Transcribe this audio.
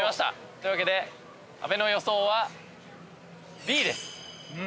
というわけで阿部の予想はＢです。